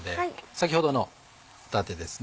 先ほどの帆立です